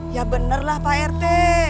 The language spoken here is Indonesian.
ya bener lah pak rete